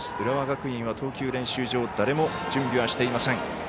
浦和学院は投球練習場誰も準備はしていません。